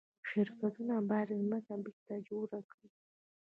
شرکتونه باید ځمکه بیرته جوړه کړي.